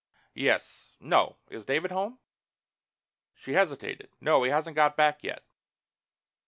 "Yes no. Is David home?" She hesitated. "No, he hasn't got back yet."